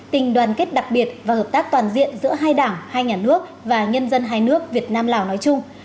tình đoàn kết đặc biệt và hợp tác toàn diện giữa hai đảng hai nhà nước và nhân dân hai nước việt nam lào nói chung